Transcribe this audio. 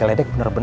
allah hu akbar